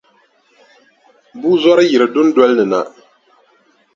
Bua zɔri yiri dundolini na.